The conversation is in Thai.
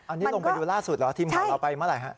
อันนี้ลงไปดูล่าสุดเหรอทีมข่าวเราไปเมื่อไหร่ฮะ